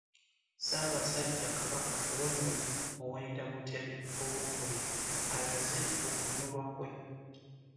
Ssaabasajja Kabaka Ronald Muwenda Mutebi owookubiri alaze okunyolwa kwe